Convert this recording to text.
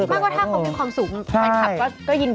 บ้างก็ถ้าคนมีความสุขพ่อขับก็ยินดี